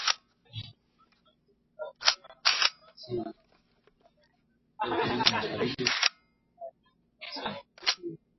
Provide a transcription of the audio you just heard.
Rwanda kwa kuunga mkono waasi wa wenye nia ya kuvuruga utulivu mashariki mwa Jamuhuri ya Demokrasia ya Kongo